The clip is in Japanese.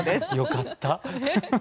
よかった。